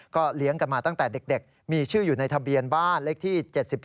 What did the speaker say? เลี้ยงกันมาตั้งแต่เด็กมีชื่ออยู่ในทะเบียนบ้านเลขที่๗๒